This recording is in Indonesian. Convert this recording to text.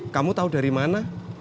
kamu tau dari mana